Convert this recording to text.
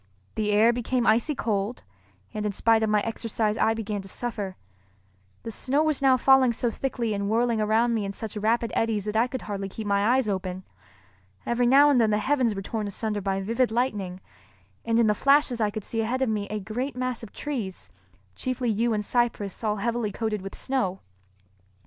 The air became icy cold, and in spite of my exercise I began to suffer. The snow was now falling so thickly and whirling around me in such rapid eddies that I could hardly keep my eyes open. Every now and then the heavens were torn asunder by vivid lightning, and in the flashes I could see ahead of me a great mass of trees, chiefly yew and cypress all heavily coated with snow.